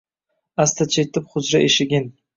Asta chertib hujra eshigin